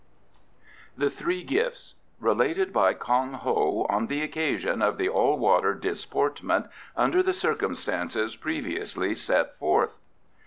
THE THREE GIFTS Related by Kong Ho on the occasion of the all water disportment, under the circumstances previously set forth.